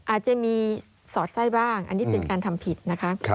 อาจจะมีสอดไส้บ้างอันนี้เป็นการทำผิดนะคะ